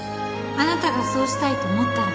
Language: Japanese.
あなたがそうしたいと思ったら